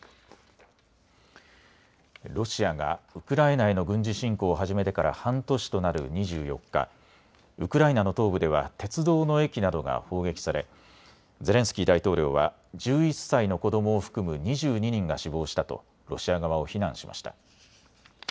ロシアがウクライナへの軍事侵攻を始めてから半年となる２４日、ウクライナの東部では鉄道の駅などが砲撃されゼレンスキー大統領は１１歳の子どもを含む２２人が死亡したとロシア側を非難しました。